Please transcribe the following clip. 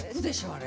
あれ。